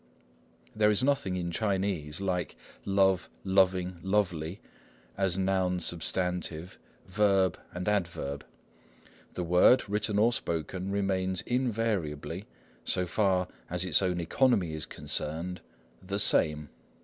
There is nothing in Chinese like love, loving, lovely, as noun substantive, verb, and adverb. The word, written or spoken, remains invariably, so far as its own economy is concerned, the same.